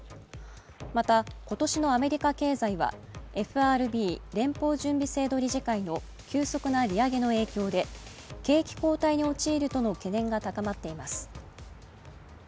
また、今年のアメリカ経済はＦＲＢ＝連邦準備制度理事会の急速な利上げの影響で、景気後退に陥るとの懸念が高まっています。